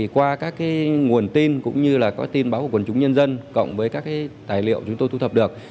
qua các nguồn tin cũng như có tin báo của quần chúng nhân dân cộng với các tài liệu chúng tôi thu thập được